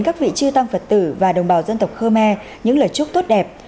các vị chư tăng phật tử và đồng bào dân tộc khơ me những lời chúc tốt đẹp